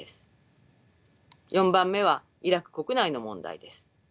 ４番目はイラク国内の問題です。